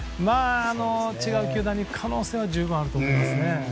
違う球団に行く可能性は十分にあると思いますね。